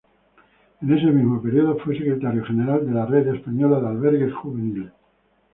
En ese mismo periodo fue secretario general de la Red Española de Albergues Juveniles.